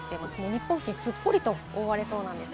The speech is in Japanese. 日本付近、すっぽりと覆われそうです。